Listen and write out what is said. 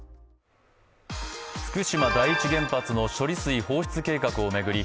福島第一原発の処理水放出計画を巡り